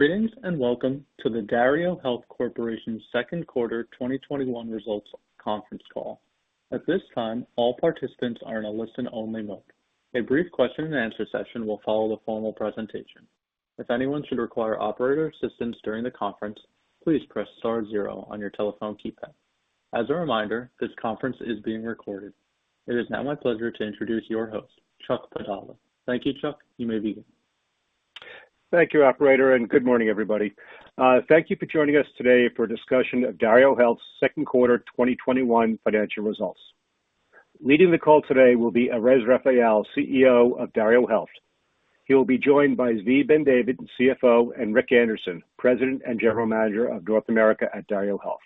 Greetings, welcome to the DarioHealth Corp.'s second quarter 2021 results conference call. At this time, all participants are in a listen-only mode. A brief question and answer session will follow the formal presentation. If anyone should require operator assistance during the conference, please press star zero on your telephone keypad. As a reminder, this conference is being recorded. It is now my pleasure to introduce your host, Chuck Padala. Thank you, Chuck. You may begin. Thank you, operator. Good morning, everybody. Thank you for joining us today for a discussion of DarioHealth's second quarter 2021 financial results. Leading the call today will be Erez Raphael, CEO of DarioHealth. He will be joined by Zvi Ben-David, CFO, and Rick Anderson, President and General Manager of North America at DarioHealth.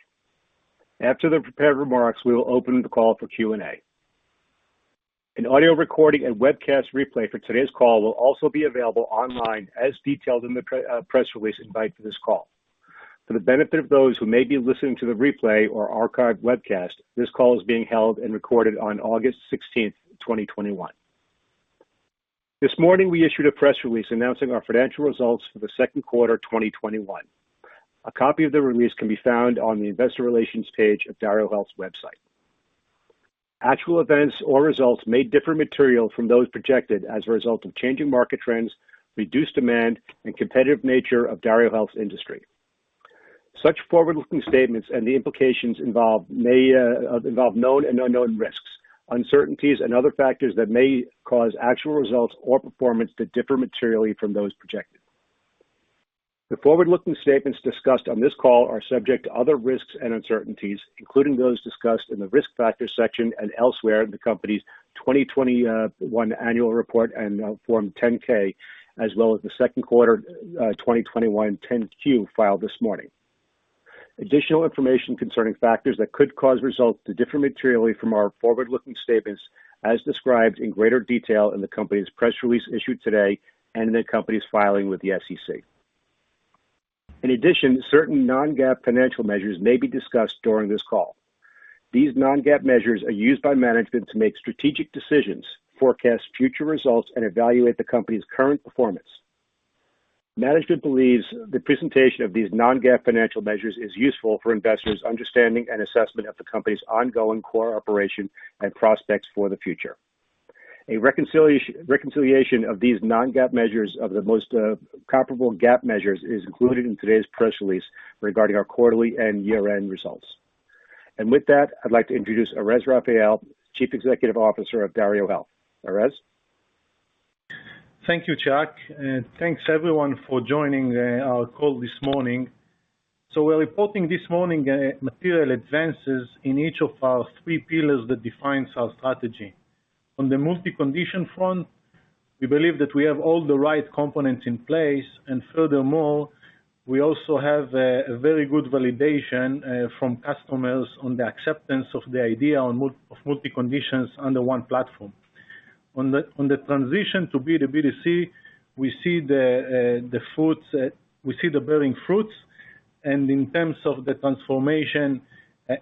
After the prepared remarks, we will open the call for Q&A. An audio recording and webcast replay for today's call will also be available online as detailed in the press release invite for this call. For the benefit of those who may be listening to the replay or archived webcast, this call is being held and recorded on August 16, 2021. This morning, we issued a press release announcing our financial results for the second quarter 2021. A copy of the release can be found on the investor relations page of DarioHealth's website. Actual events or results may differ materially from those projected as a result of changing market trends, reduced demand, and competitive nature of DarioHealth's industry. Such forward-looking statements and the implications involved may involve known and unknown risks, uncertainties, and other factors that may cause actual results or performance to differ materially from those projected. The forward-looking statements discussed on this call are subject to other risks and uncertainties, including those discussed in the Risk Factors section and elsewhere in the company's 2021 annual report and Form 10-K, as well as the second quarter 2021 10-Q filed this morning. Additional information concerning factors that could cause results to differ materially from our forward-looking statements as described in greater detail in the company's press release issued today and in the company's filing with the SEC. In addition, certain non-GAAP financial measures may be discussed during this call. These non-GAAP measures are used by management to make strategic decisions, forecast future results, and evaluate the company's current performance. Management believes the presentation of these non-GAAP financial measures is useful for investors understanding and assessment of the company's ongoing core operation and prospects for the future. A reconciliation of these non-GAAP measures of the most comparable GAAP measures is included in today's press release regarding our quarterly and year-end results. With that, I'd like to introduce Erez Raphael, Chief Executive Officer of DarioHealth. Erez? Thank you, Chuck, and thanks, everyone, for joining our call this morning. We're reporting this morning material advances in each of our three pillars that defines our strategy. On the multi-condition front, we believe that we have all the right components in place, and furthermore, we also have a very good validation from customers on the acceptance of the idea of multi-conditions under one platform. On the transition to B2B2C, we see the bearing fruits, and in terms of the transformation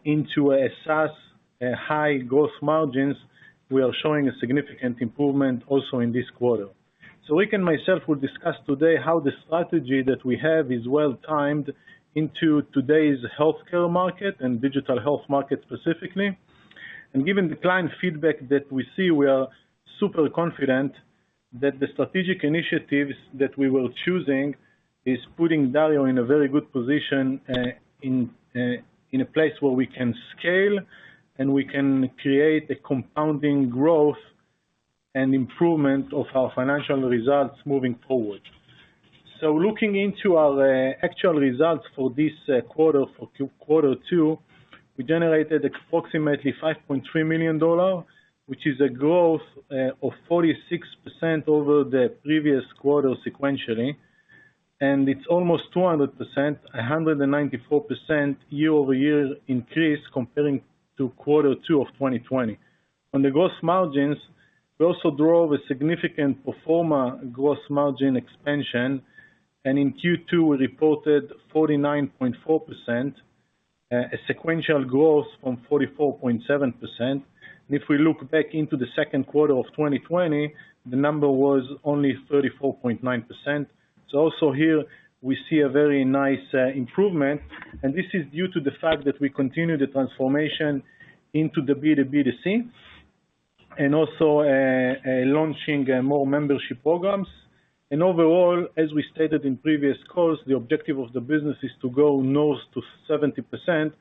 into a SaaS high gross margins, we are showing a significant improvement also in this quarter. Rick and myself will discuss today how the strategy that we have is well timed into today's healthcare market and digital health market specifically. Given the client feedback that we see, we are super confident that the strategic initiatives that we were choosing is putting Dario in a very good position, in a place where we can scale, and we can create a compounding growth and improvement of our financial results moving forward. Looking into our actual results for this quarter, for Q2, we generated approximately $5.3 million, which is a growth of 46% over the previous quarter sequentially. It's almost 200%, 194% year-over-year increase comparing to Q2 of 2020. On the gross margins, we also drove a significant pro forma gross margin expansion, and in Q2, we reported 49.4%, a sequential growth from 44.7%. If we look back into the second quarter of 2020, the number was only 34.9%. Also here, we see a very nice improvement, and this is due to the fact that we continue the transformation into the B2B2C and also launching more membership programs. Overall, as we stated in previous calls, the objective of the business is to go north to 70%,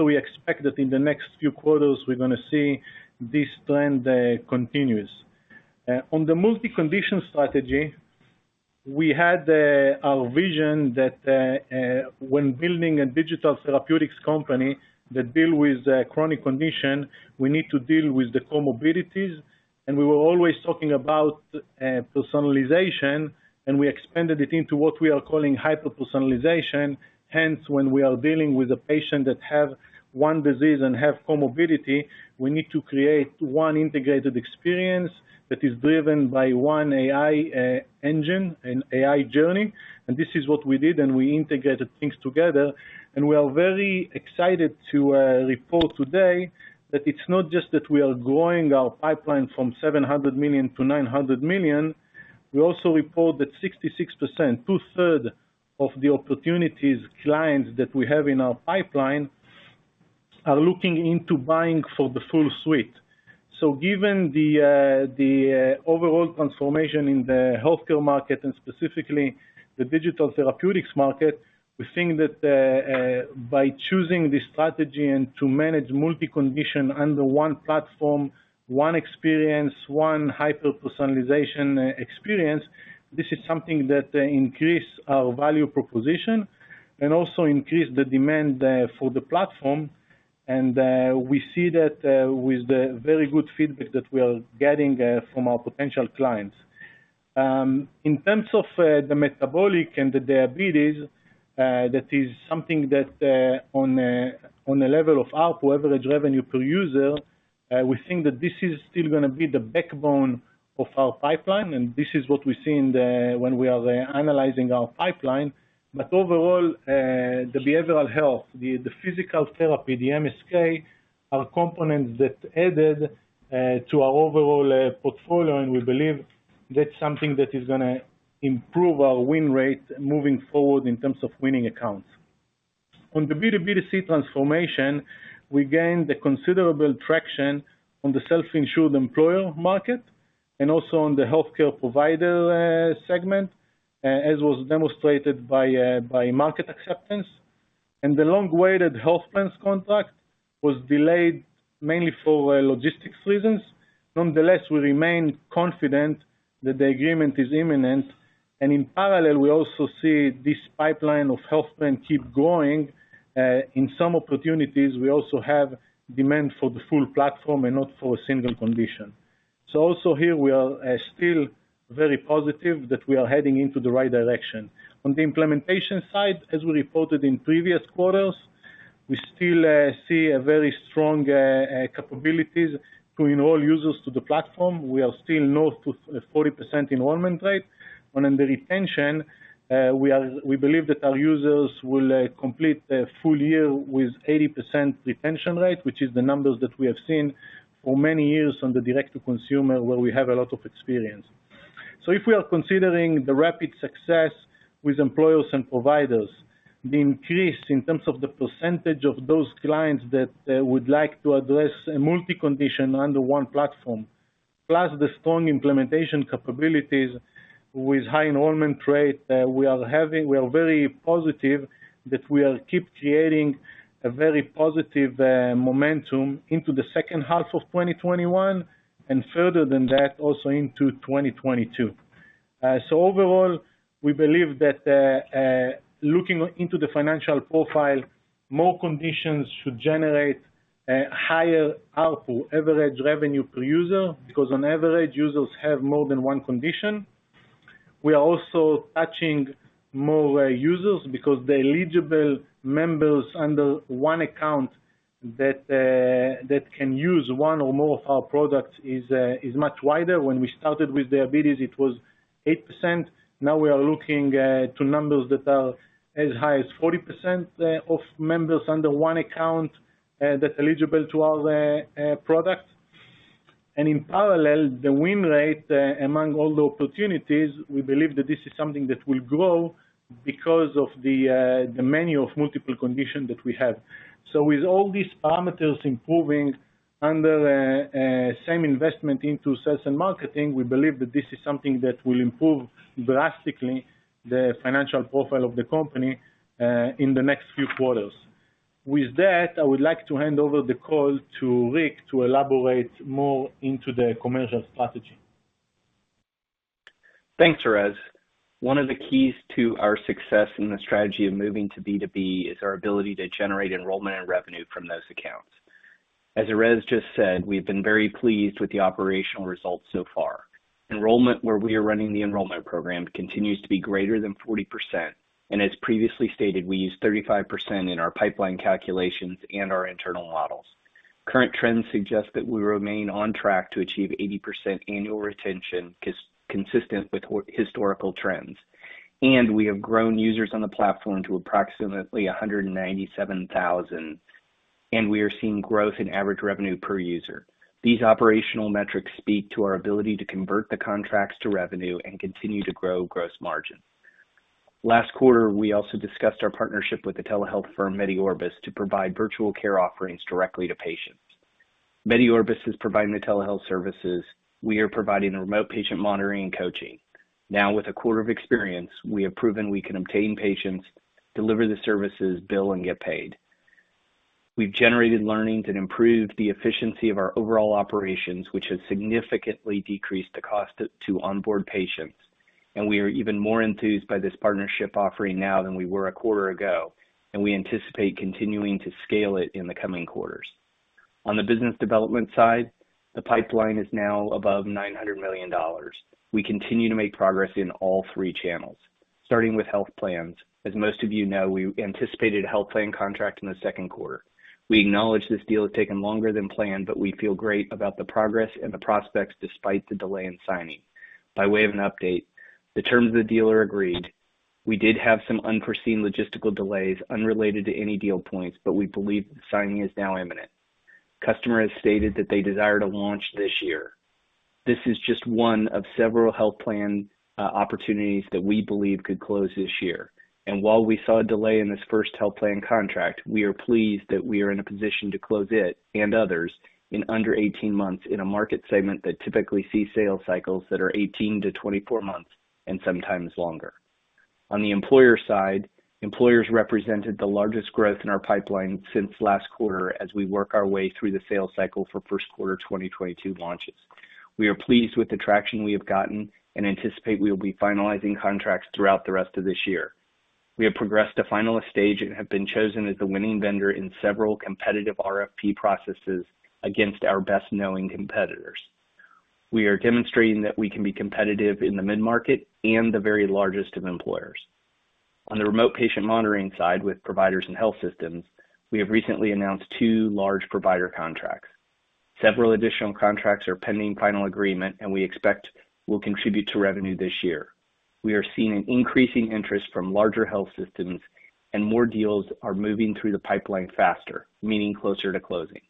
we expect that in the next few quarters, we're going to see this trend continues. On the multi-condition strategy, we had our vision that when building a digital therapeutics company that deal with chronic condition, we need to deal with the comorbidities, we were always talking about personalization, we expanded it into what we are calling hyper-personalization. Hence, when we are dealing with a patient that have one disease and have comorbidity, we need to create one integrated experience that is driven by one AI engine and AI journey. This is what we did, and we integrated things together, and we are very excited to report today that it's not just that we are growing our pipeline from $700 million to $900 million. We also report that 66%, two-third of the opportunities clients that we have in our pipeline are looking into buying for the full suite. Given the overall transformation in the healthcare market and specifically the digital therapeutics market, we think that by choosing this strategy and to manage multi-condition under one platform, one experience, one hyper-personalization experience, this is something that increase our value proposition and also increase the demand for the platform. We see that with the very good feedback that we are getting from our potential clients. In terms of the metabolic and the diabetes, that is something that on a level of ARPU, average revenue per user, we think that this is still going to be the backbone of our pipeline, and this is what we see when we are analyzing our pipeline. Overall, the behavioral health, the physical therapy, the MSK, are components that added to our overall portfolio, and we believe that is something that is going to improve our win rate moving forward in terms of winning accounts. On the B2B2C transformation, we gained a considerable traction on the self-insured employer market and also on the healthcare provider segment, as was demonstrated by market acceptance. The long-awaited health plans contract was delayed mainly for logistics reasons. Nonetheless, we remain confident that the agreement is imminent. In parallel, we also see this pipeline of health plan keep growing. In some opportunities, we also have demand for the full platform and not for a single condition. Also here we are still very positive that we are heading into the right direction. On the implementation side, as we reported in previous quarters, we still see a very strong capabilities to enroll users to the platform. We are still north of 40% enrollment rate. On the retention, we believe that our users will complete a full year with 80% retention rate, which is the numbers that we have seen for many years on the direct-to-consumer, where we have a lot of experience. If we are considering the rapid success with employers and providers, the increase in terms of the percentage of those clients that would like to address a multi-condition under one platform, plus the strong implementation capabilities with high enrollment rate, we are very positive that we will keep creating a very positive momentum into the second half of 2021 and further than that, also into 2022. Overall, we believe that looking into the financial profile, more conditions should generate a higher ARPU, average revenue per user, because on average, users have more than one condition. We are also touching more users because the eligible members under one account that can use one or more of our products is much wider. When we started with diabetes, it was 8%. Now we are looking to numbers that are as high as 40% of members under one account that's eligible to our products. In parallel, the win rate among all the opportunities, we believe that this is something that will grow because of the menu of multiple condition that we have. With all these parameters improving under same investment into sales and marketing, we believe that this is something that will improve drastically the financial profile of the company in the next few quarters. With that, I would like to hand over the call to Rick to elaborate more into the commercial strategy. Thanks, Erez. One of the keys to our success in the strategy of moving to B2B is our ability to generate enrollment and revenue from those accounts. As Erez just said, we've been very pleased with the operational results so far. Enrollment, where we are running the enrollment program, continues to be greater than 40%, and as previously stated, we use 35% in our pipeline calculations and our internal models. Current trends suggest that we remain on track to achieve 80% annual retention consistent with historical trends. We have grown users on the platform to approximately 197,000, and we are seeing growth in average revenue per user. These operational metrics speak to our ability to convert the contracts to revenue and continue to grow gross margin. Last quarter, we also discussed our partnership with the telehealth firm, MediOrbis, to provide virtual care offerings directly to patients. MediOrbis is providing the telehealth services. We are providing the remote patient monitoring and coaching. Now, with a quarter of experience, we have proven we can obtain patients, deliver the services, bill, and get paid. We've generated learnings and improved the efficiency of our overall operations, which has significantly decreased the cost to onboard patients, and we are even more enthused by this partnership offering now than we were a quarter ago, and we anticipate continuing to scale it in the coming quarters. On the business development side, the pipeline is now above $900 million. We continue to make progress in all three channels. Starting with health plans. As most of you know, we anticipated a health plan contract in the second quarter. We acknowledge this deal has taken longer than planned, but we feel great about the progress and the prospects despite the delay in signing. By way of an update, the terms of the deal are agreed. We did have some unforeseen logistical delays unrelated to any deal points, but we believe the signing is now imminent. Customer has stated that they desire to launch this year. This is just one of several health plan opportunities that we believe could close this year. While we saw a delay in this first health plan contract, we are pleased that we are in a position to close it, and others, in under 18 months in a market segment that typically sees sales cycles that are 18-24 months, and sometimes longer. On the employer side, employers represented the largest growth in our pipeline since last quarter, as we work our way through the sales cycle for first quarter 2022 launches. We are pleased with the traction we have gotten and anticipate we will be finalizing contracts throughout the rest of this year. We have progressed to finalist stage and have been chosen as the winning vendor in several competitive RFP processes against our best-knowing competitors. We are demonstrating that we can be competitive in the mid-market and the very largest of employers. On the remote patient monitoring side with providers and health systems, we have recently announced two large provider contracts. Several additional contracts are pending final agreement, and we expect will contribute to revenue this year. We are seeing an increasing interest from larger health systems, and more deals are moving through the pipeline faster, meaning closer to closing.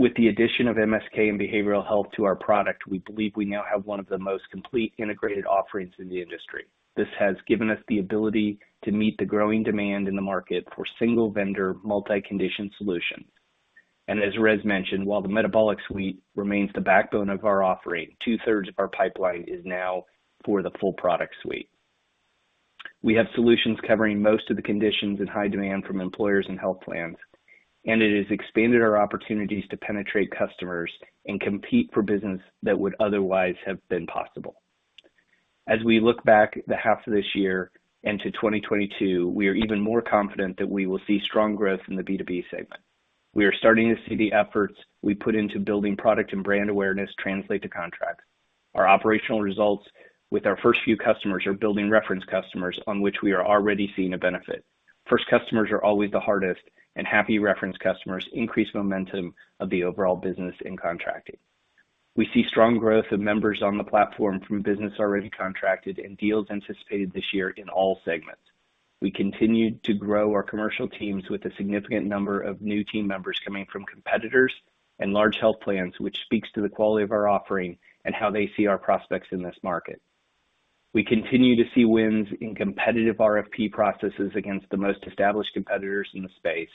With the addition of MSK and behavioral health to our product, we believe we now have one of the most complete integrated offerings in the industry. This has given us the ability to meet the growing demand in the market for single-vendor, multi-condition solutions. As Erez mentioned, while the metabolic suite remains the backbone of our offering, two-thirds of our pipeline is now for the full product suite. We have solutions covering most of the conditions in high demand from employers and health plans. It has expanded our opportunities to penetrate customers and compete for business that would otherwise have been possible. As we look back the half of this year into 2022, we are even more confident that we will see strong growth in the B2B segment. We are starting to see the efforts we put into building product and brand awareness translate to contracts. Our operational results with our first few customers are building reference customers on which we are already seeing a benefit. First customers are always the hardest. Happy reference customers increase momentum of the overall business in contracting. We see strong growth of members on the platform from business already contracted and deals anticipated this year in all segments. We continued to grow our commercial teams with a significant number of new team members coming from competitors and large health plans, which speaks to the quality of our offering and how they see our prospects in this market. We continue to see wins in competitive RFP processes against the most established competitors in the space.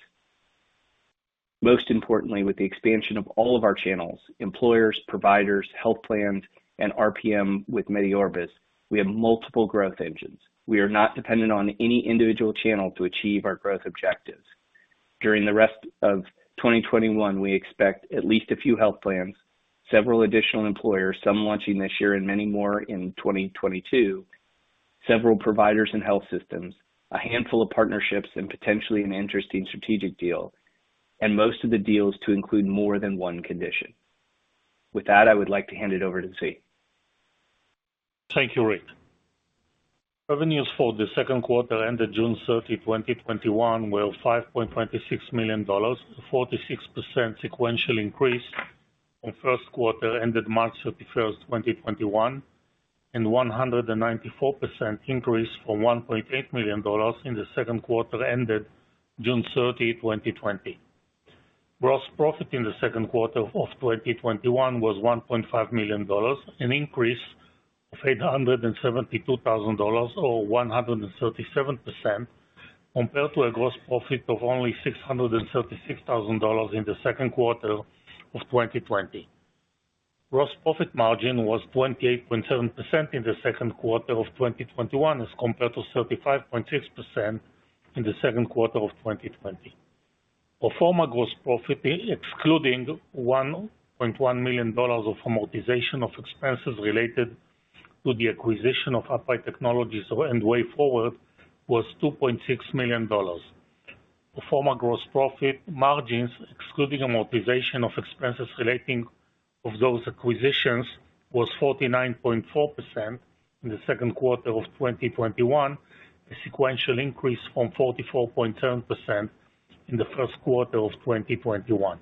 Most importantly, with the expansion of all of our channels, employers, providers, health plans, and RPM with MediOrbis, we have multiple growth engines. We are not dependent on any individual channel to achieve our growth objectives. During the rest of 2021, we expect at least a few health plans, several additional employers, some launching this year and many more in 2022, several providers and health systems, a handful of partnerships, and potentially an interesting strategic deal, and most of the deals to include more than one condition. With that, I would like to hand it over to Zvi. Thank you, Rick Anderson. Revenues for the second quarter ended June 30, 2021, were $5.26 million, a 46% sequential increase from first quarter ended March 31st, 2021, and 194% increase from $1.8 million in the second quarter ended June 30, 2020. Gross profit in the second quarter of 2021 was $1.5 million, an increase of $872,000, or 137%, compared to a gross profit of only $636,000 in the second quarter of 2020. Gross profit margin was 28.7% in the second quarter of 2021 as compared to 35.6% in the second quarter of 2020. Pro forma gross profit, excluding $1.1 million of amortization of expenses related to the acquisition of Upright Technologies and wayForward, was $2.6 million. Pro forma gross profit margins, excluding amortization of expenses relating to those acquisitions, was 49.4% in the second quarter of 2021, a sequential increase from 44.7% in the first quarter of 2021.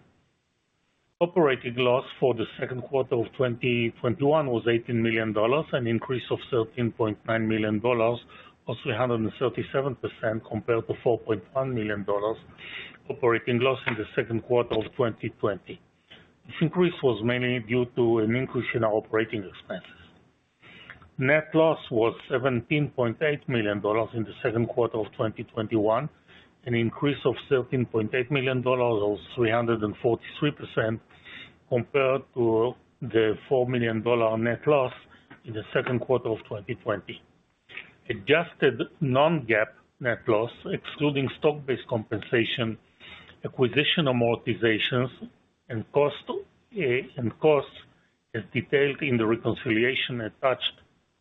Operating loss for the second quarter of 2021 was $18 million, an increase of $13.9 million, or 337%, compared to $4.1 million operating loss in the second quarter of 2020. This increase was mainly due to an increase in our operating expenses. Net loss was $17.8 million in the second quarter of 2021, an increase of $13.8 million or 343%, compared to the $4 million net loss in the second quarter of 2020. Adjusted non-GAAP net loss, excluding stock-based compensation, acquisition amortizations, and costs as detailed in the reconciliation attached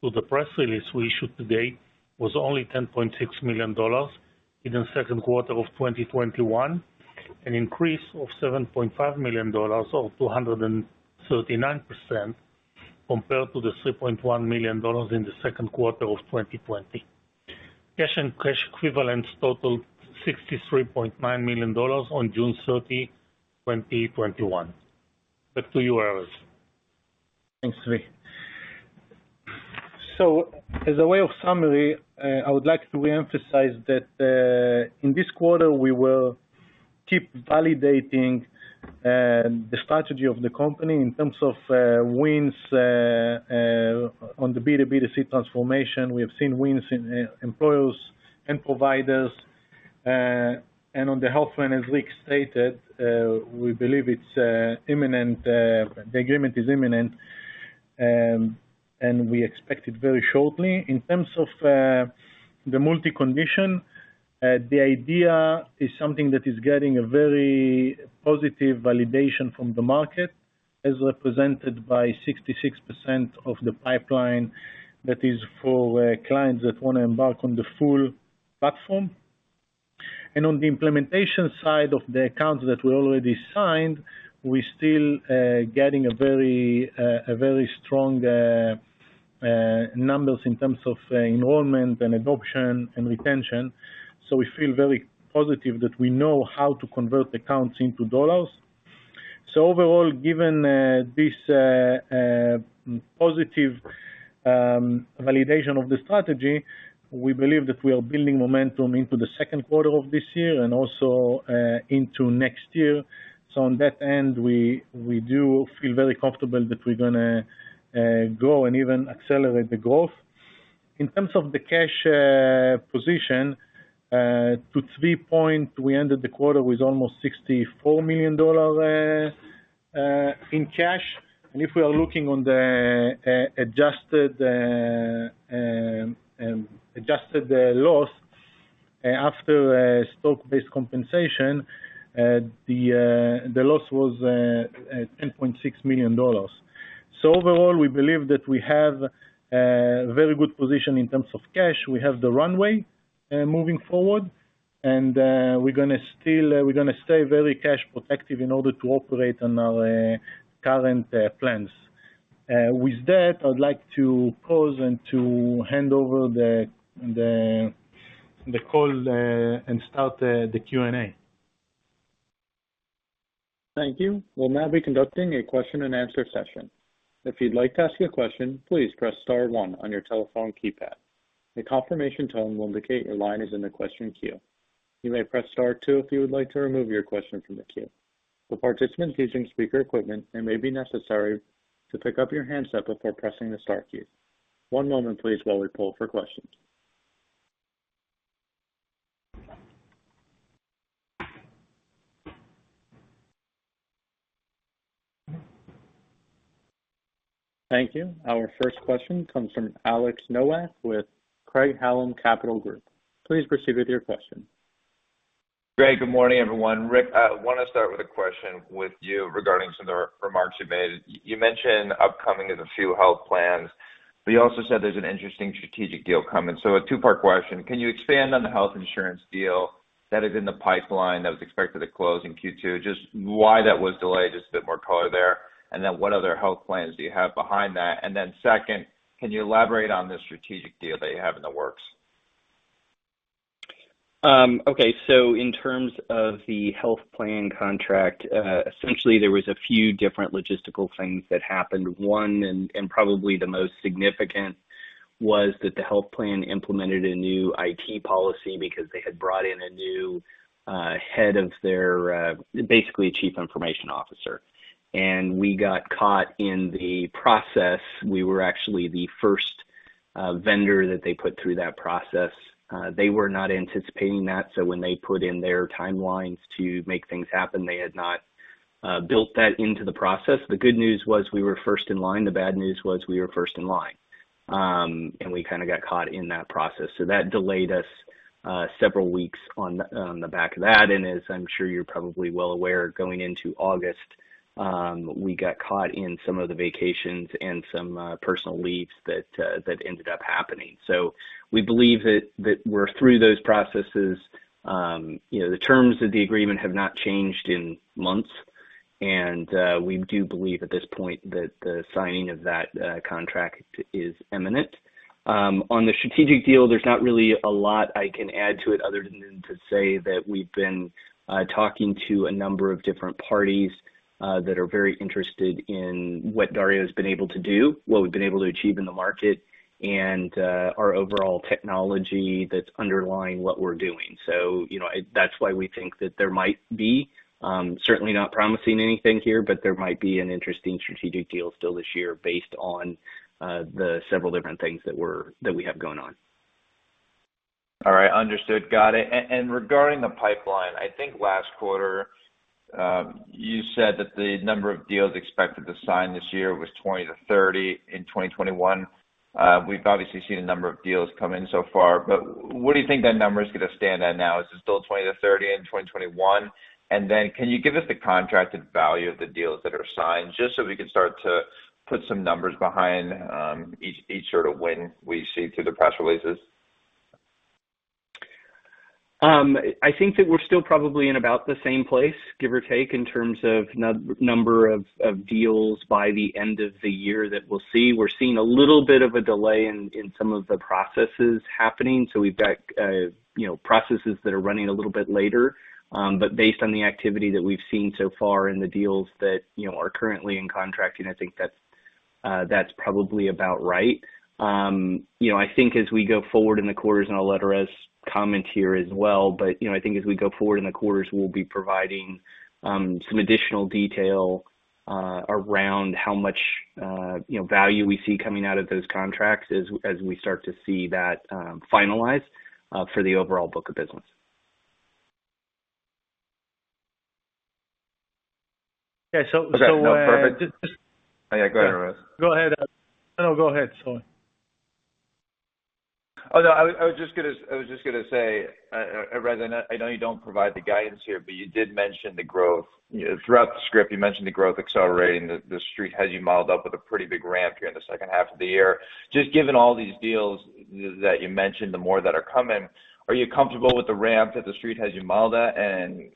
to the press release we issued today, was only $10.6 million in the second quarter of 2021, an increase of $7.5 million or 239%, compared to the $3.1 million in the second quarter of 2020. Cash and cash equivalents totaled $63.9 million on June 30, 2021. Back to you, Erez. Thanks, Zvi. As a way of summary, I would like to reemphasize that in this quarter, we will keep validating the strategy of the company in terms of wins on the B2B2C transformation. We have seen wins in employers and providers. On the health plan, as Rick stated, we believe the agreement is imminent, and we expect it very shortly. In terms of the multi-condition, the idea is something that is getting a very positive validation from the market, as represented by 66% of the pipeline that is for clients that want to embark on the full platform. On the implementation side of the accounts that we already signed, we're still getting very strong numbers in terms of enrollment and adoption and retention. We feel very positive that we know how to convert accounts into dollars. Overall, given this positive validation of the strategy, we believe that we are building momentum into the second quarter of this year and also into next year. On that end, we do feel very comfortable that we're going to grow and even accelerate the growth. In terms of the cash position, to three point, we ended the quarter with almost $64 million in cash. If we are looking on the adjusted loss after stock-based compensation, the loss was $10.6 million. Overall, we believe that we have a very good position in terms of cash. We have the runway moving forward, and we're going to stay very cash protective in order to operate on our current plans. With that, I'd like to pause and to hand over the call and start the Q&A. Our first question comes from Alex Nowak with Craig-Hallum Capital Group. Please proceed with your question. Great. Good morning, everyone. Rick, I want to start with a question with you regarding some of the remarks you made. You mentioned upcoming of a few health plans, you also said there's an interesting strategic deal coming. A two-part question. Can you expand on the health insurance deal that is in the pipeline that was expected to close in Q2? Just why that was delayed, just a bit more color there. What other health plans do you have behind that? Second, can you elaborate on the strategic deal that you have in the works? Okay. In terms of the health plan contract, essentially there was a few different logistical things that happened. One, and probably the most significant, was that the health plan implemented a new IT policy because they had brought in a new head, basically a chief information officer. We got caught in the process. We were actually the first vendor that they put through that process. They were not anticipating that, so when they put in their timelines to make things happen, they had not built that into the process. The good news was we were first in line. The bad news was we were first in line. We kind of got caught in that process. That delayed us several weeks on the back of that. As I'm sure you're probably well aware, going into August, we got caught in some of the vacations and some personal leaves that ended up happening. We believe that we're through those processes. The terms of the agreement have not changed in months, and we do believe at this point that the signing of that contract is imminent. On the strategic deal, there's not really a lot I can add to it other than to say that we've been talking to a number of different parties that are very interested in what Dario has been able to do, what we've been able to achieve in the market, and our overall technology that's underlying what we're doing. That's why we think that there might be, certainly not promising anything here, but there might be an interesting strategic deal still this year based on the several different things that we have going on. All right. Understood. Got it. Regarding the pipeline, I think last quarter, you said that the number of deals expected to sign this year was 20-30 in 2021. We've obviously seen a number of deals come in so far, what do you think that number is going to stand at now? Is it still 20-30 in 2021? Can you give us the contracted value of the deals that are signed, just so we can start to put some numbers behind each win we see through the press releases? I think that we're still probably in about the same place, give or take, in terms of number of deals by the end of the year that we'll see. We're seeing a little bit of a delay in some of the processes happening. We've got processes that are running a little bit later. Based on the activity that we've seen so far and the deals that are currently in contracting, I think that's probably about right. I think as we go forward in the quarters, and I'll let Erez comment here as well, but I think as we go forward in the quarters, we'll be providing some additional detail around how much value we see coming out of those contracts as we start to see that finalized for the overall book of business. Okay. No, perfect. Go ahead, Erez. Go ahead. No, go ahead, sorry. Oh, no, I was just going to say, Erez, I know you don't provide the guidance here, but you did mention the growth. Throughout the script, you mentioned the growth accelerating, that The Street has you modeled up with a pretty big ramp here in the second half of the year. Just given all these deals that you mentioned, the more that are coming, are you comfortable with the ramp that The Street has you modeled at, and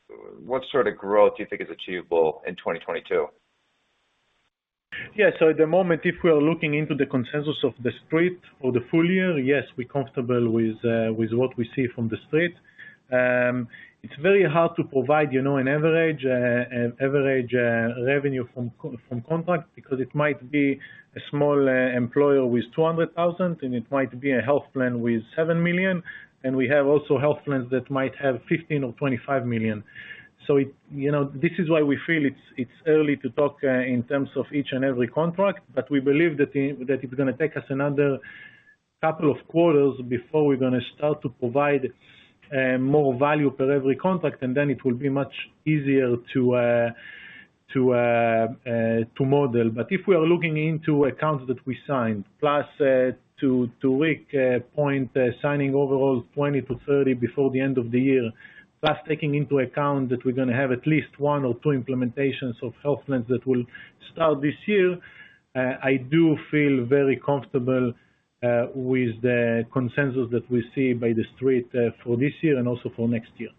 what sort of growth do you think is achievable in 2022? At the moment, if we are looking into the consensus of The Street for the full year, yes, we're comfortable with what we see from The Street. It's very hard to provide an average revenue from contract because it might be a small employer with $200,000, and it might be a health plan with $7 million, and we have also health plans that might have $15 million or $25 million. This is why we feel it's early to talk in terms of each and every contract, but we believe that it's going to take us another couple of quarters before we're going to start to provide more value per every contract, and then it will be much easier to model. If we are looking into accounts that we signed, plus to Rick's point, signing overall 20-30 before the end of the year, plus taking into account that we're going to have at least one or two implementations of health plans that will start this year, I do feel very comfortable with the consensus that we see by The Street for this year and also for next year.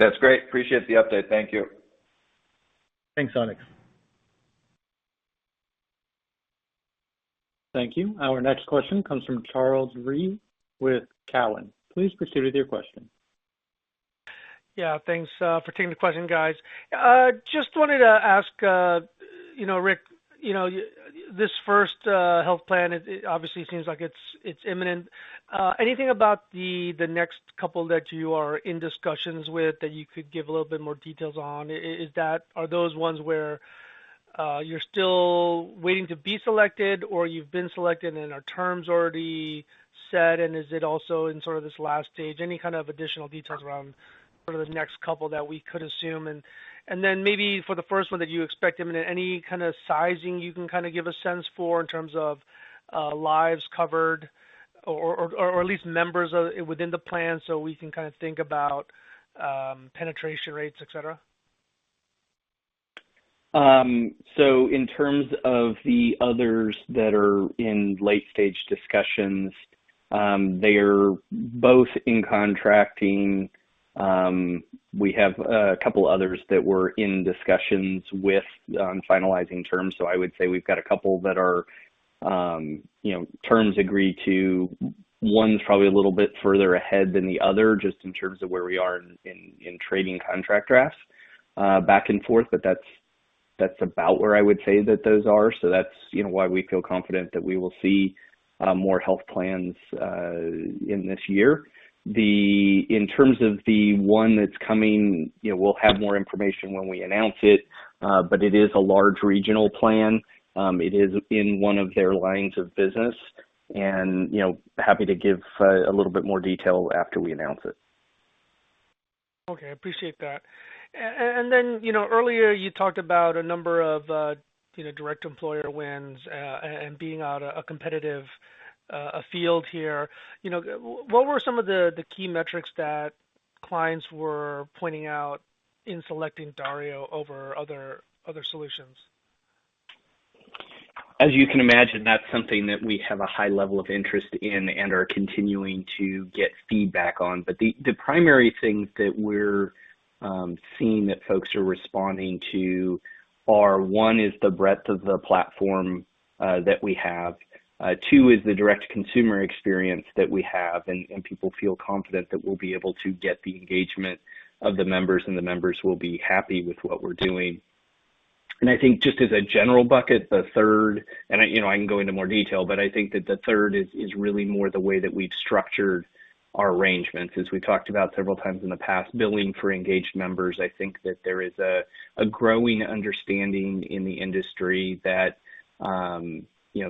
That's great. Appreciate the update. Thank you. Thanks, Alex. Thank you. Our next question comes from Charles Rhyee with Cowen. Please proceed with your question. Yeah. Thanks for taking the question, guys. Just wanted to ask, Rick, this first health plan, it obviously seems like it's imminent. Anything about the next couple that you are in discussions with that you could give a little bit more details on? Are those ones where you're still waiting to be selected or you've been selected and are terms already set and is it also in sort of this last stage? Any kind of additional details around sort of the next couple that we could assume? Maybe for the first one that you expect imminent, any kind of sizing you can give a sense for in terms of lives covered or at least members within the plan so we can think about penetration rates, et cetera? In terms of the others that are in late-stage discussions, they're both in contracting. We have a couple others that we're in discussions with on finalizing terms. I would say we've got a couple that are terms agreed to. One's probably a little bit further ahead than the other, just in terms of where we are in trading contract drafts back and forth. That's about where I would say that those are. That's why we feel confident that we will see more health plans in this year. In terms of the one that's coming, we'll have more information when we announce it. It is a large regional plan. It is in one of their lines of business and happy to give a little bit more detail after we announce it. Okay. Appreciate that. Then, earlier you talked about a number of direct employer wins, and being at a competitive field here. What were some of the key metrics that clients were pointing out in selecting Dario over other solutions? As you can imagine, that's something that we have a high level of interest in and are continuing to get feedback on. The primary things that we're seeing that folks are responding to are, one, is the breadth of the platform that we have. two is the direct consumer experience that we have, and people feel confident that we'll be able to get the engagement of the members, and the members will be happy with what we're doing. I think just as a general bucket, the third, and I can go into more detail, but I think that the third is really more the way that we've structured our arrangements. As we talked about several times in the past, billing for engaged members, I think that there is a growing understanding in the industry that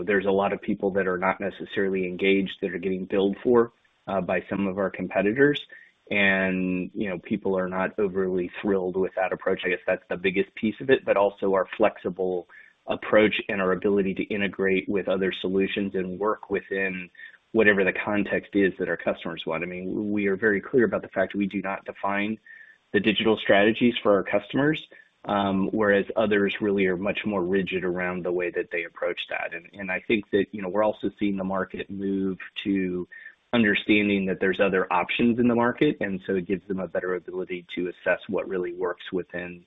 there's a lot of people that are not necessarily engaged that are getting billed for by some of our competitors. People are not overly thrilled with that approach. I guess that's the biggest piece of it, also our flexible approach and our ability to integrate with other solutions and work within whatever the context is that our customers want. I mean, we are very clear about the fact we do not define the digital strategies for our customers, whereas others really are much more rigid around the way that they approach that. I think that we're also seeing the market move to understanding that there's other options in the market, and so it gives them a better ability to assess what really works within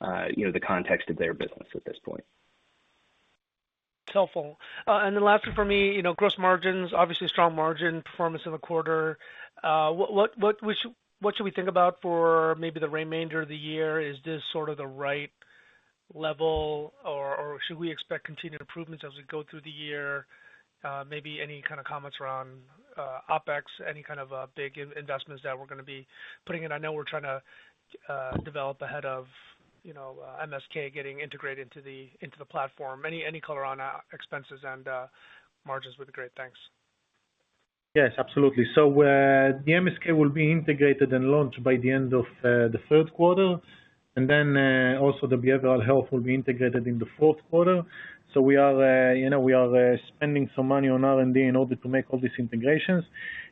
the context of their business at this point. It's helpful. Lastly for me, gross margins, obviously strong margin performance in the quarter. What should we think about for maybe the remainder of the year? Is this the right level, or should we expect continued improvements as we go through the year? Maybe any kind of comments around OpEx, any kind of big investments that we're going to be putting in. I know we're trying to develop ahead of MSK getting integrated into the platform. Any color on expenses and margins would be great. Thanks. Yes, absolutely. The MSK will be integrated and launched by the end of the third quarter, and then, also the behavioral health will be integrated in the fourth quarter. We are spending some money on R&D in order to make all these integrations.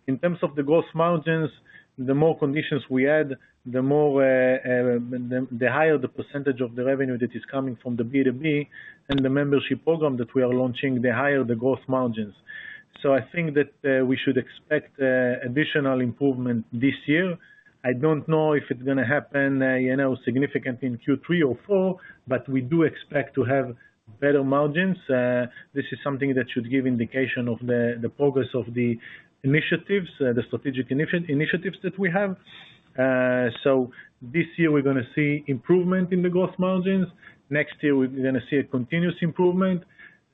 In terms of the gross margins, the more conditions we add, the higher the % of the revenue that is coming from the B2B and the membership program that we are launching, the higher the gross margins. I think that we should expect additional improvement this year. I don't know if it's going to happen significantly in Q3 or 4, but we do expect to have better margins. This is something that should give indication of the progress of the initiatives, the strategic initiatives that we have. This year, we're going to see improvement in the gross margins. Next year, we're going to see a continuous improvement.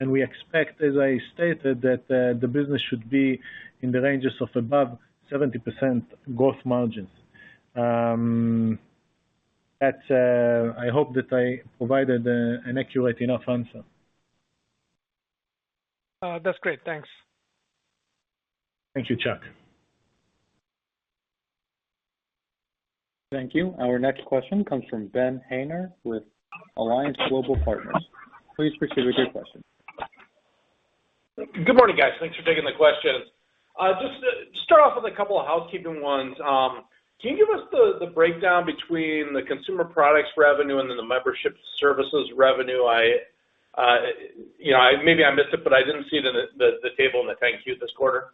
We expect, as I stated, that the business should be in the ranges of above 70% gross margins. I hope that I provided an accurate enough answer. That's great. Thanks. Thank you, Chuck. Thank you. Our next question comes from Ben Haynor with Alliance Global Partners. Please proceed with your question. Good morning, guys. Thanks for taking the questions. Just to start off with a couple of housekeeping ones. Can you give us the breakdown between the consumer products revenue and then the membership services revenue? Maybe I missed it, but I didn't see the table in the 10-Q this quarter.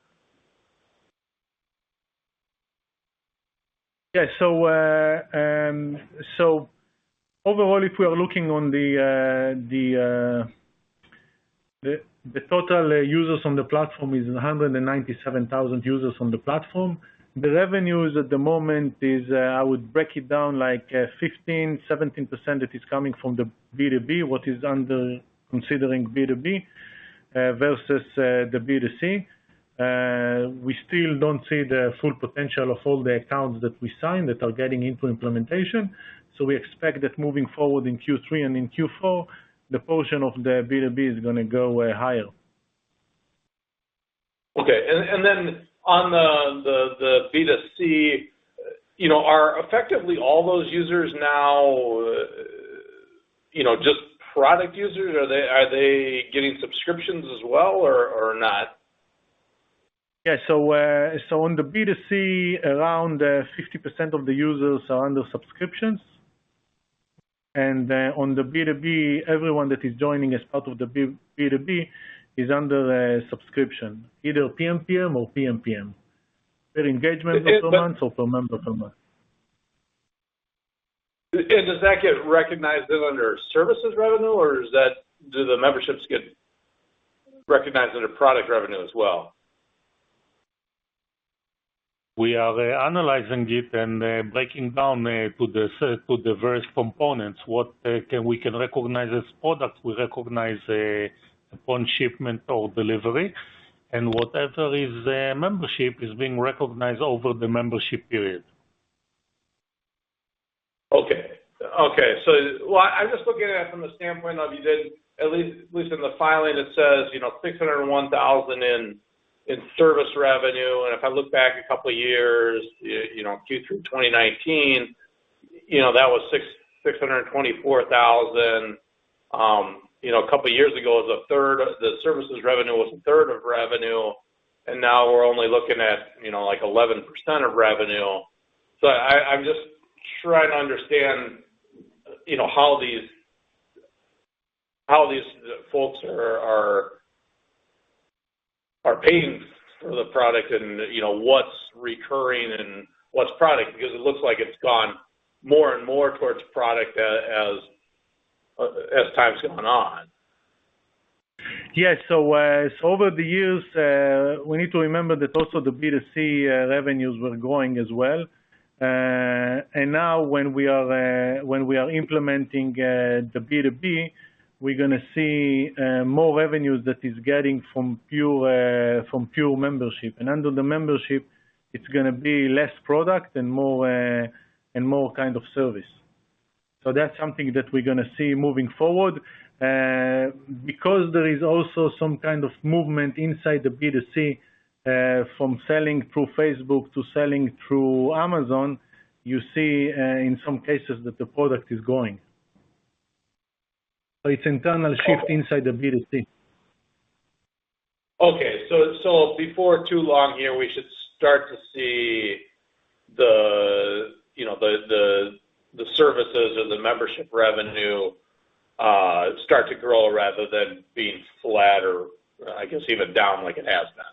Yeah. Overall, if we are looking on the total users on the platform is 197,000 users on the platform. The revenues at the moment is, I would break it down like 15%, 17% that is coming from the B2B, what is under considering B2B versus the B2C. We still don't see the full potential of all the accounts that we signed that are getting into implementation. We expect that moving forward in Q3 and in Q4, the portion of the B2B is going to go higher. Okay. On the B2C, are effectively all those users now just product users? Are they getting subscriptions as well or not? On the B2C, around 50% of the users are under subscriptions. On the B2B, everyone that is joining as part of the B2B is under a subscription, either PEPM or PMPM. Per engagement per month or per member per month. Does that get recognized then under services revenue, or do the memberships get recognized under product revenue as well? We are analyzing it and breaking down to the various components, what we can recognize as product, we recognize upon shipment or delivery, and whatever is membership is being recognized over the membership period. Okay. I'm just looking at it from the standpoint of you did, at least in the filing, it says $601,000 in service revenue. If I look back a couple of years, Q3 2019, that was $624,000. A couple of years ago, the services revenue was a third of revenue, now we're only looking at 11% of revenue. I'm just trying to understand how these folks are paying for the product and what's recurring and what's product, because it looks like it's gone more and more towards product as time's gone on. Yes. Over the years, we need to remember that also the B2C revenues were growing as well. Now when we are implementing the B2B, we're going to see more revenues that is getting from pure membership. Under the membership, it's going to be less product and more kind of service. That's something that we're going to see moving forward. There is also some kind of movement inside the B2C, from selling through Facebook to selling through Amazon, you see in some cases that the product is going. It's internal shift inside the B2C. Okay. Before too long here, we should start to see the services or the membership revenue start to grow rather than being flat or I guess even down like it has been.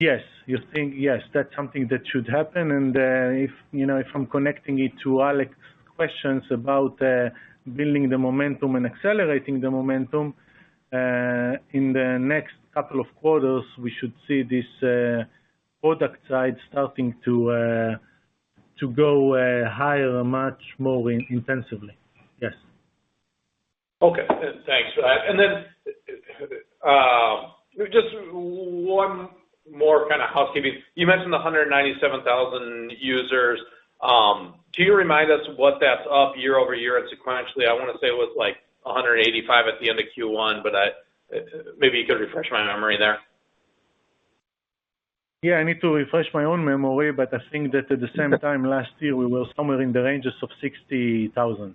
Yes, that's something that should happen, and if I'm connecting it to Alex's questions about building the momentum and accelerating the momentum, in the next couple of quarters, we should see this product side starting to go higher much more intensively. Yes. Okay. Thanks for that. Just one more kind of housekeeping. You mentioned the 197,000 users. Do you remind us what that's up year-over-year and sequentially? I want to say it was like 185 at the end of Q1, maybe you could refresh my memory there. Yeah, I need to refresh my own memory, but I think that at the same time last year, we were somewhere in the ranges of 60,000.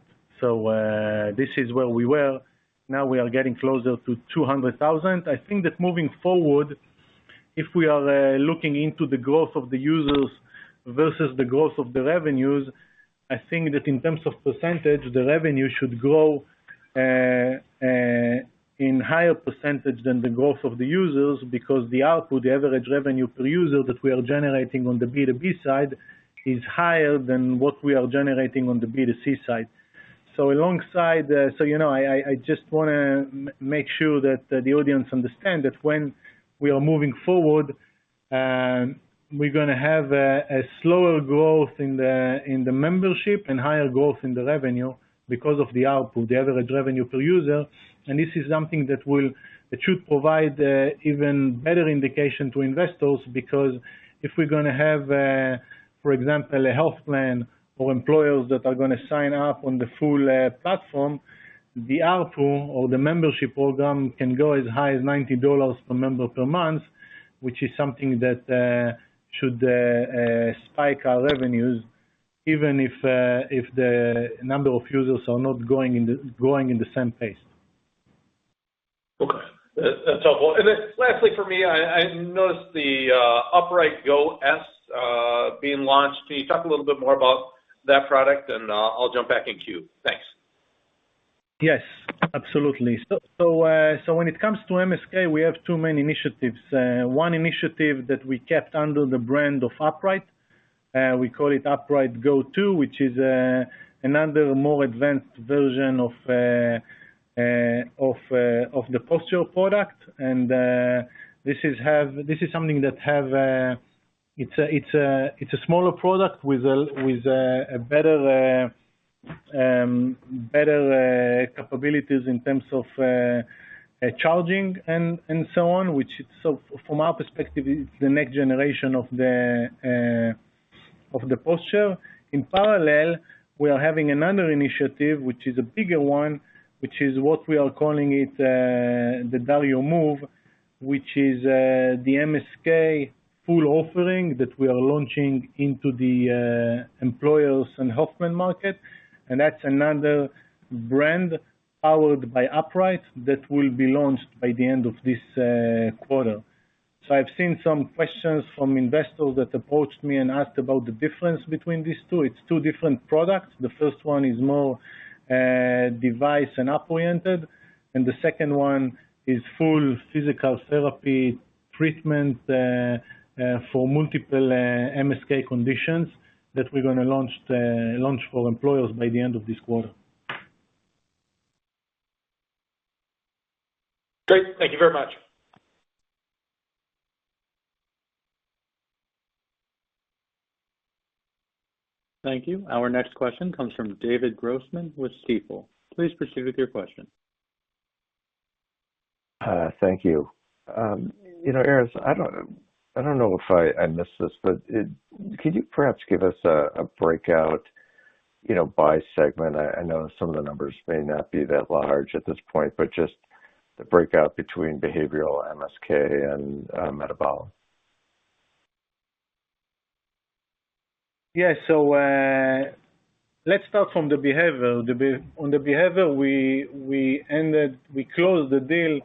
This is where we were. Now we are getting closer to 200,000. I think that moving forward, if we are looking into the growth of the users versus the growth of the revenues, I think that in terms of percentage, the revenue should grow in higher percentage than the growth of the users because the output, the average revenue per user that we are generating on the B2B side is higher than what we are generating on the B2C side. I just want to make sure that the audience understand that when we are moving forward, we're going to have a slower growth in the membership and higher growth in the revenue because of the output, the average revenue per user, and this is something that should provide even better indication to investors because if we're going to have, for example, a health plan or employers that are going to sign up on the full platform, the output or the membership program can go as high as $90 per member per month, which is something that should spike our revenues even if the number of users are not growing in the same pace. Okay. That's helpful. Lastly for me, I noticed the Upright GO S being launched. Can you talk a little bit more about that product and I'll jump back in queue. Thanks. Yes, absolutely. When it comes to MSK, we have two main initiatives. One initiative that we kept under the brand of Upright, we call it Upright GO 2, which is another more advanced version of the posture product. This is something that it's a smaller product with better capabilities in terms of charging and so on, which is, from our perspective, it's the next generation of the posture. In parallel, we are having another initiative, which is a bigger one, which is what we are calling it the Dario Move, which is the MSK full offering that we are launching into the employers and health plan market. That's another brand powered by Upright that will be launched by the end of this quarter. I've seen some questions from investors that approached me and asked about the difference between these two. It's two different products. The first one is more device and app-oriented, and the second one is full physical therapy treatment for multiple MSK conditions that we're going to launch for employers by the end of this quarter. Great. Thank you very much. Thank you. Our next question comes from David Grossman with Stifel. Please proceed with your question. Thank you. Erez, I don't know if I missed this, but could you perhaps give us a breakout by segment? I know some of the numbers may not be that large at this point, but just the breakout between behavioral MSK and metabolic. Yeah. Let's start from the behavioral. On the behavioral, we closed the deal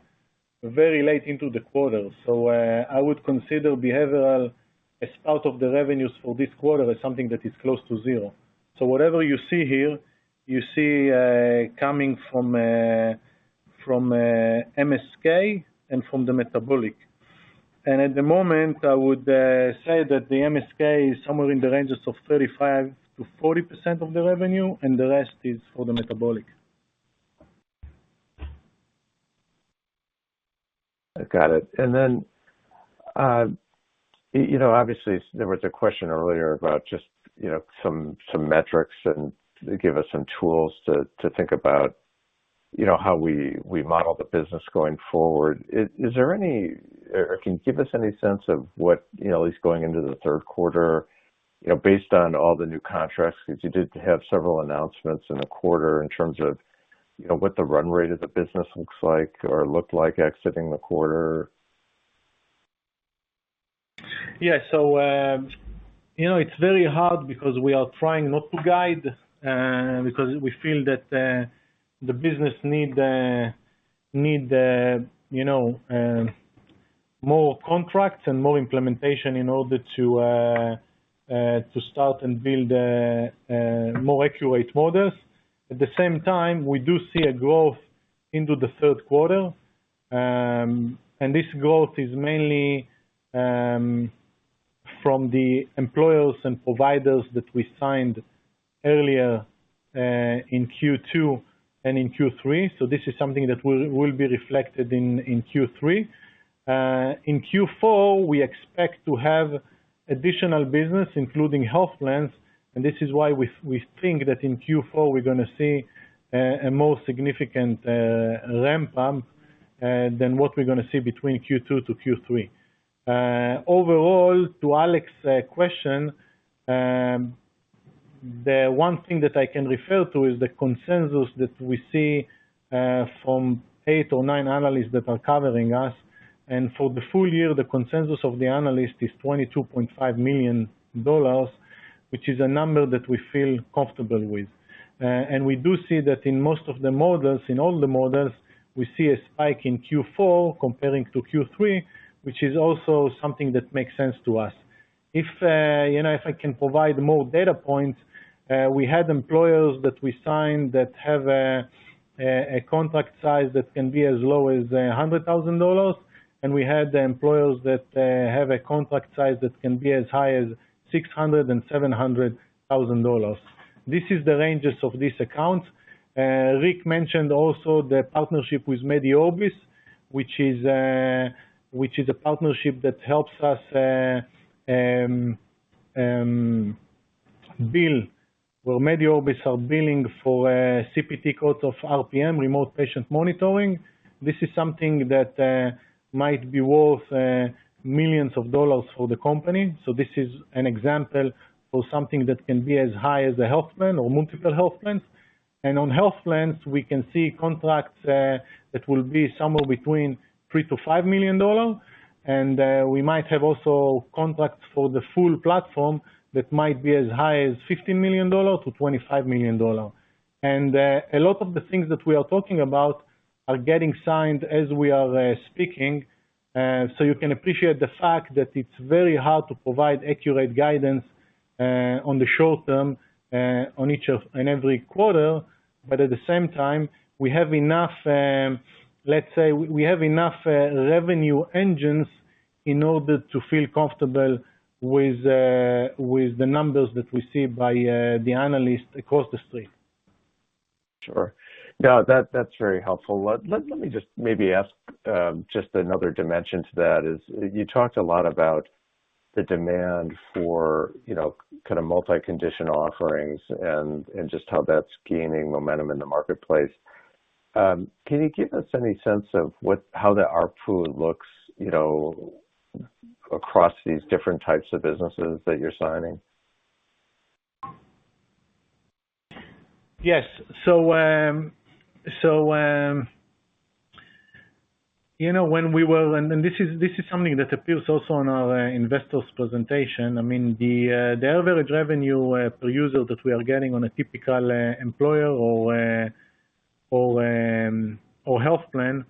very late into the quarter. I would consider behavioral as out of the revenues for this quarter as something that is close to zero. Whatever you see here, you see coming from MSK and from the metabolic. At the moment, I would say that the MSK is somewhere in the ranges of 35%-40% of the revenue, and the rest is for the metabolic. I've got it. Obviously, there was a question earlier about just some metrics and give us some tools to think about how we model the business going forward. Erez, can you give us any sense of what, at least going into the third quarter based on all the new contracts, because you did have several announcements in the quarter in terms of what the run rate of the business looks like or looked like exiting the quarter? It's very hard because we are trying not to guide because we feel that the business need more contracts and more implementation in order to start and build more accurate models. At the same time, we do see a growth into the third quarter. This growth is mainly from the employers and providers that we signed earlier in Q2 and in Q3. This is something that will be reflected in Q3. In Q4, we expect to have additional business, including health plans, and this is why we think that in Q4 we're going to see a more significant ramp up than what we're going to see between Q2 to Q3. Overall, to Alex's question, the one thing that I can refer to is the consensus that we see from eight or nine analysts that are covering us. For the full year, the consensus of the analysts is $22.5 million, which is a number that we feel comfortable with. We do see that in most of the models, in all the models, we see a spike in Q4 comparing to Q3, which is also something that makes sense to us. If I can provide more data points, we had employers that we signed that have a contract size that can be as low as $100,000, and we had employers that have a contract size that can be as high as $600,000 and $700,000. This is the ranges of these accounts. Rick mentioned also the partnership with MediOrbis, which is a partnership that helps us bill. Well, MediOrbis are billing for CPT codes of RPM, remote patient monitoring. This is something that might be worth millions of dollars for the company. This is an example for something that can be as high as a health plan or multiple health plans. On health plans, we can see contracts that will be somewhere between $3 million-$5 million, and we might have also contracts for the full platform that might be as high as $15 million-$25 million. A lot of the things that we are talking about are getting signed as we are speaking. You can appreciate the fact that it's very hard to provide accurate guidance on the short term on each and every quarter, at the same time, we have enough revenue engines in order to feel comfortable with the numbers that we see by the analysts across the street. Sure. No, that's very helpful. Let me just maybe ask just another dimension to that is, you talked a lot about the demand for kind of multi-condition offerings and just how that's gaining momentum in the marketplace. Can you give us any sense of how the ARPU looks across these different types of businesses that you're signing? Yes. When we were, and this is something that appears also on our investors presentation. I mean, the average revenue per user that we are getting on a typical employer or health plan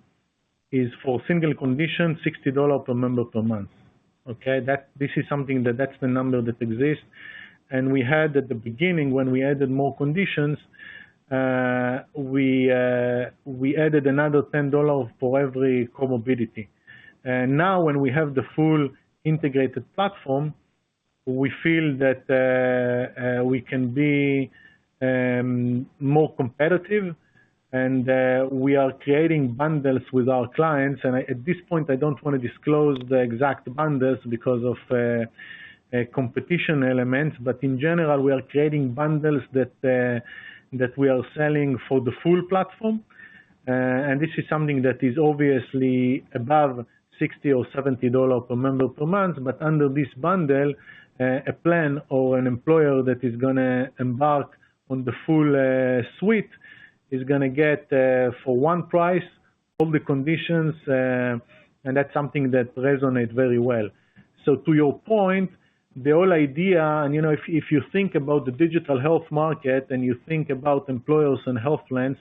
is for single condition, $60 per member per month. Okay? This is something that's the number that exists. We had at the beginning, when we added more conditions, we added another $10 for every comorbidity. Now, when we have the full integrated platform, we feel that we can be more competitive, and we are creating bundles with our clients, and at this point, I don't want to disclose the exact bundles because of competition elements. But in general, we are creating bundles that we are selling for the full platform. This is something that is obviously above $60 or $70 per member per month. Under this bundle, a plan or an employer that is going to embark on the full suite is going to get for one price, all the conditions, and that's something that resonates very well. To your point, the whole idea, and if you think about the digital health market and you think about employers and health plans,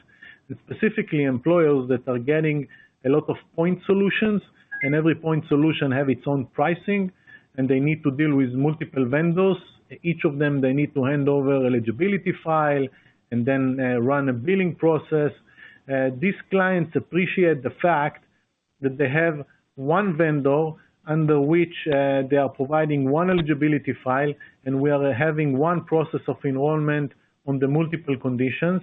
specifically employers that are getting a lot of point solutions and every point solution have its own pricing, and they need to deal with multiple vendors. Each of them, they need to hand over eligibility file and then run a billing process. These clients appreciate the fact that they have one vendor under which they are providing one eligibility file, and we are having one process of enrollment on the multiple conditions.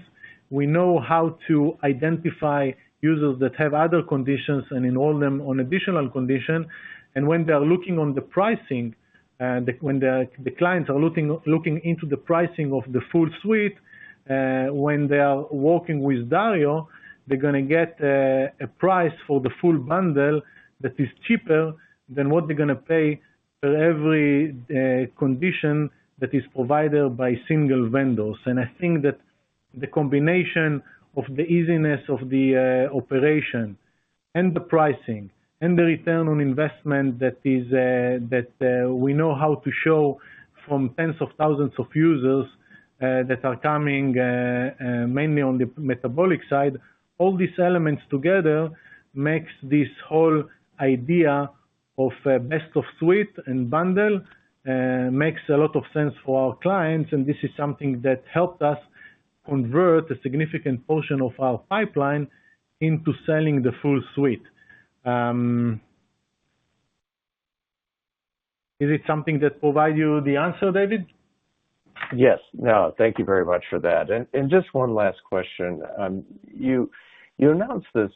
We know how to identify users that have other conditions and enroll them on additional condition. When they are looking at the pricing, when the clients are looking into the pricing of the full suite, when they are working with Dario, they're going to get a price for the full bundle that is cheaper than what they're going to pay for every condition that is provided by single vendors. I think that the combination of the easiness of the operation and the pricing and the return on investment that we know how to show from tens of thousands of users that are coming mainly on the metabolic side, all these elements together makes this whole idea of best of suite and bundle makes a lot of sense for our clients, and this is something that helped us convert a significant portion of our pipeline into selling the full suite. Is it something that provide you the answer, David? Yes. No, thank you very much for that. Just one last question. You announced this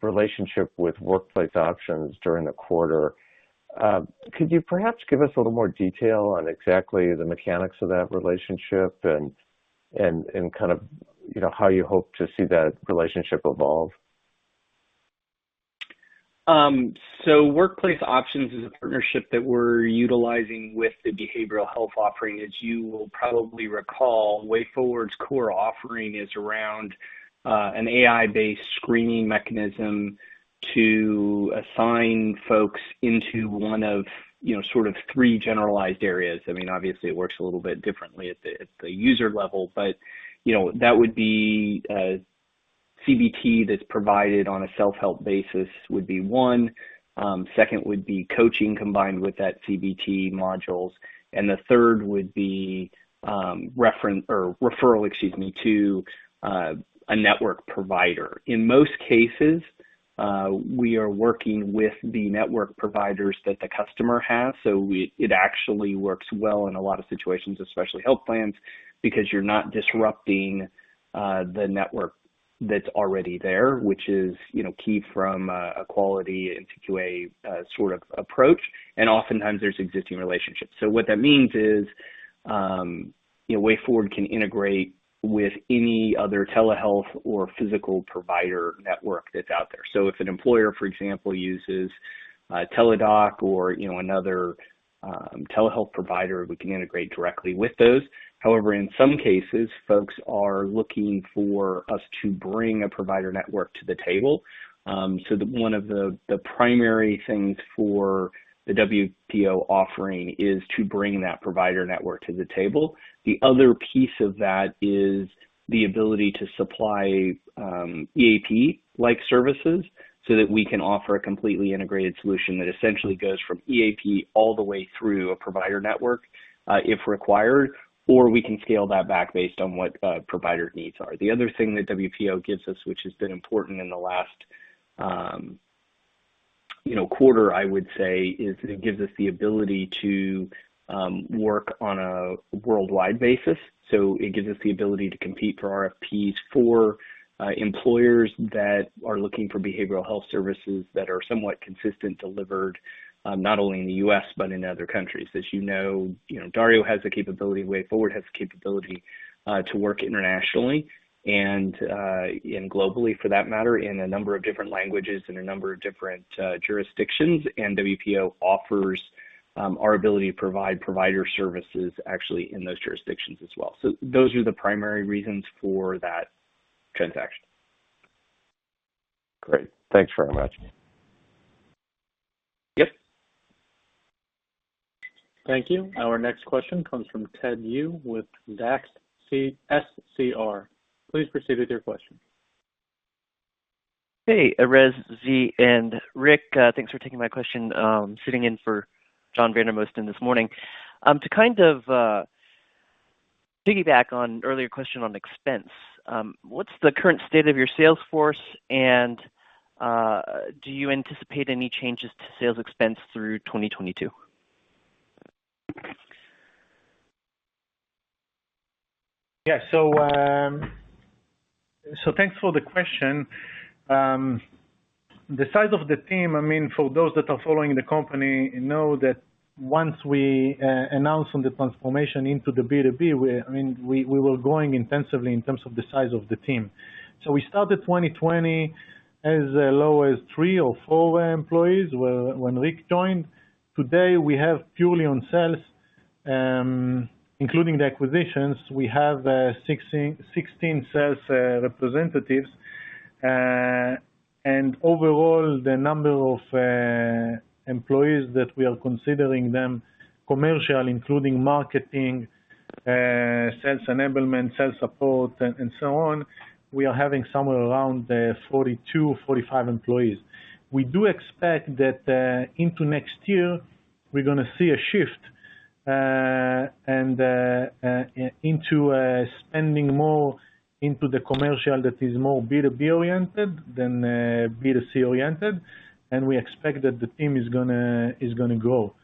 relationship with Workplace Options during the quarter. Could you perhaps give us a little more detail on exactly the mechanics of that relationship and how you hope to see that relationship evolve? Workplace Options is a partnership that we're utilizing with the behavioral health offering. As you will probably recall, wayForward's core offering is around an AI-based screening mechanism to assign folks into one of three generalized areas. Obviously, it works a little bit differently at the user level, but that would be CBT that's provided on a self-help basis, would be one. Second would be coaching combined with that CBT modules. The third would be referral to a network provider. In most cases, we are working with the network providers that the customer has, so it actually works well in a lot of situations, especially health plans, because you're not disrupting the network that's already there, which is key from a quality and QA sort of approach. Oftentimes, there's existing relationships. What that means is, wayForward can integrate with any other telehealth or physical provider network that's out there. If an employer, for example, uses Teladoc or another telehealth provider, we can integrate directly with those. However, in some cases, folks are looking for us to bring a provider network to the table. One of the primary things for the WPO offering is to bring that provider network to the table. The other piece of that is the ability to supply EAP-like services so that we can offer a completely integrated solution that essentially goes from EAP all the way through a provider network, if required, or we can scale that back based on what provider needs are. The other thing that WPO gives us, which has been important in the last quarter, I would say, is it gives us the ability to work on a worldwide basis. It gives us the ability to compete for RFPs for employers that are looking for behavioral health services that are somewhat consistent delivered, not only in the U.S. but in other countries. As you know, DarioHealth has the capability, wayForward has the capability to work internationally and globally, for that matter, in a number of different languages, in a number of different jurisdictions, and WPO offers our ability to provide provider services actually in those jurisdictions as well. Those are the primary reasons for that transaction. Great. Thanks very much. Yep. Thank you. Our next question comes from Ted Yu with Zacks SCR. Please proceed with your question. Hey, Erez, Z, and Rick. Thanks for taking my question. Sitting in for John Vandermosten this morning. To kind of piggyback on earlier question on expense, what's the current state of your sales force, and do you anticipate any changes to sales expense through 2022? Yeah. Thanks for the question. The size of the team, for those that are following the company, know that once we announced on the transformation into the B2B, we were growing intensively in terms of the size of the team. We started 2020 as low as three or four employees when Rick joined. Today, we have purely on sales, including the acquisitions, we have 16 sales representatives. Overall, the number of employees that we are considering them commercial, including marketing, sales enablement, sales support, and so on, we are having somewhere around 42, 45 employees. We do expect that into next year, we're going to see a shift into spending more into the commercial that is more B2B-oriented than B2C-oriented, and we expect that the team is going to grow.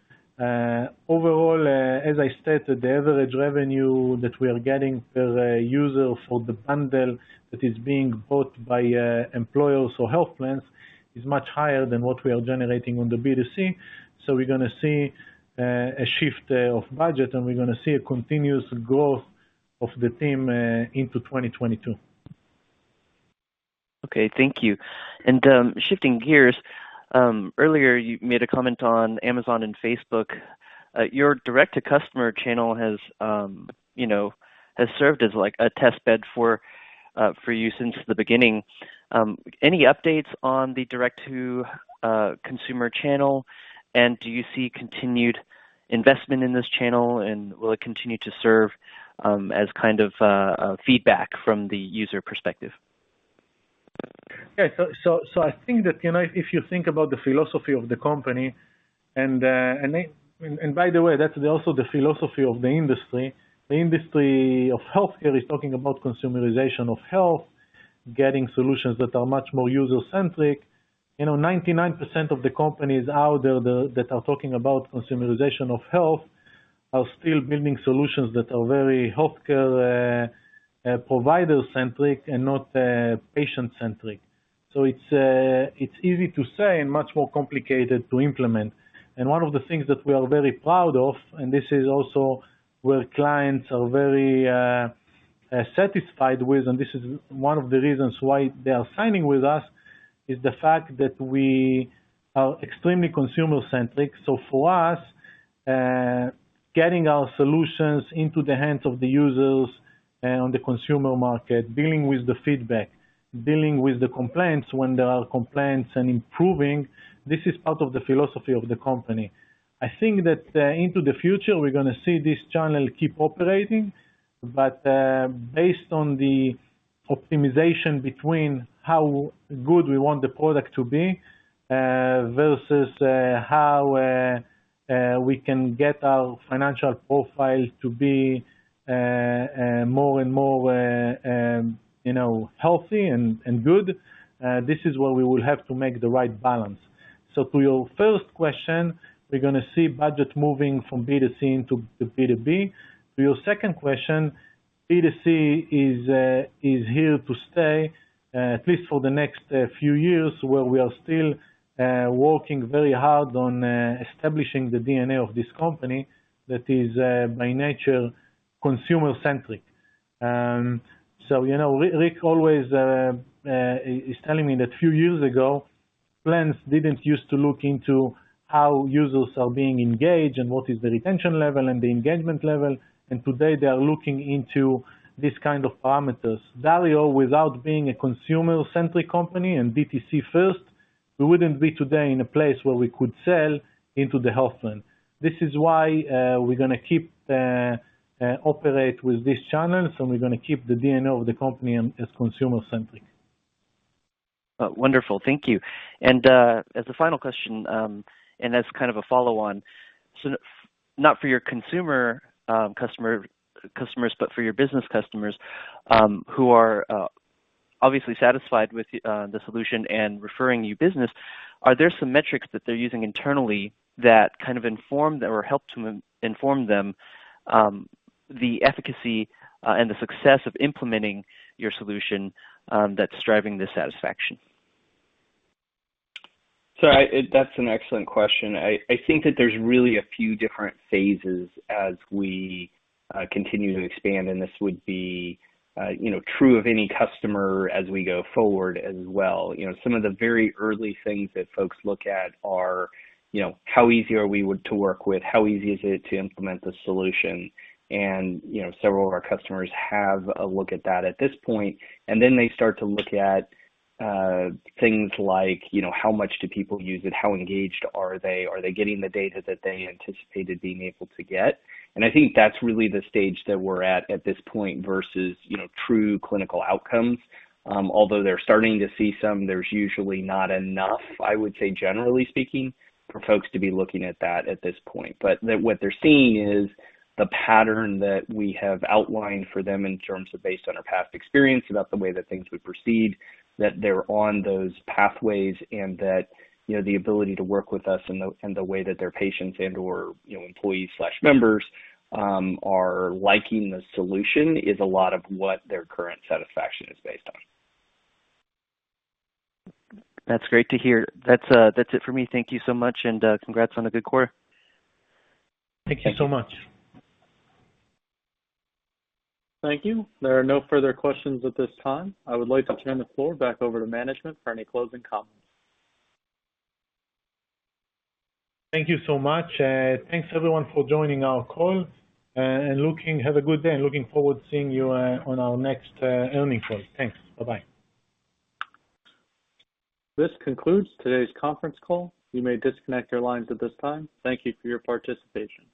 Overall, as I stated, the average revenue that we are getting per user for the bundle that is being bought by employers or health plans is much higher than what we are generating on the B2C. We're going to see a shift of budget, and we're going to see a continuous growth of the team into 2022. Okay, thank you. Shifting gears, earlier you made a comment on Amazon and Facebook. Your direct-to-customer channel has served as a test bed for you since the beginning. Any updates on the direct-to-consumer channel, and do you see continued investment in this channel, and will it continue to serve as kind of feedback from the user perspective? Yeah. I think that if you think about the philosophy of the company, and by the way, that's also the philosophy of the industry. The industry of healthcare is talking about consumerization of health, getting solutions that are much more user-centric. 99% of the companies out there that are talking about consumerization of health are still building solutions that are very healthcare provider-centric and not patient-centric. It's easy to say and much more complicated to implement. One of the things that we are very proud of, and this is also where clients are very satisfied with, and this is one of the reasons why they are signing with us, is the fact that we are extremely consumer-centric. For us, getting our solutions into the hands of the users on the consumer market, dealing with the feedback, dealing with the complaints when there are complaints, and improving, this is part of the philosophy of the company. I think that into the future, we're going to see this channel keep operating. Based on the optimization between how good we want the product to be, versus how we can get our financial profile to be more and more healthy and good, this is where we will have to make the right balance. To your first question, we're going to see budget moving from B2C into B2B. To your second question, B2C is here to stay, at least for the next few years, where we are still working very hard on establishing the DNA of this company that is, by nature, consumer-centric. Rick always is telling me that few years ago, plans didn't use to look into how users are being engaged and what is the retention level and the engagement level, and today they are looking into these kind of parameters. DarioHealth, without being a consumer-centric company and B2C first, we wouldn't be today in a place where we could sell into the health plan. This is why we're going to keep operate with this channel, we're going to keep the DNA of the company as consumer-centric. Wonderful. Thank you. As a final question, and as kind of a follow-on. Not for your consumer customers, but for your business customers, who are obviously satisfied with the solution and referring you business, are there some metrics that they're using internally that kind of inform or help to inform them the efficacy and the success of implementing your solution that's driving the satisfaction? That's an excellent question. I think that there's really a few different phases as we continue to expand, and this would be true of any customer as we go forward as well. Some of the very early things that folks look at are how easy are we to work with, how easy is it to implement the solution, and several of our customers have a look at that at this point. Then they start to look at things like how much do people use it, how engaged are they? Are they getting the data that they anticipated being able to get? I think that's really the stage that we're at at this point versus true clinical outcomes. Although they're starting to see some, there's usually not enough, I would say, generally speaking, for folks to be looking at that at this point. What they're seeing is the pattern that we have outlined for them in terms of based on our past experience, about the way that things would proceed, that they're on those pathways, and that the ability to work with us and the way that their patients and/or employees/members are liking the solution is a lot of what their current satisfaction is based on. That's great to hear. That's it for me. Thank you so much, and congrats on a good quarter. Thank you so much. Thank you. There are no further questions at this time. I would like to turn the floor back over to management for any closing comments. Thank you so much. Thanks everyone for joining our call. Have a good day. Looking forward to seeing you on our next earning call. Thanks. Bye-bye. This concludes today's conference call. You may disconnect your lines at this time. Thank you for your participation.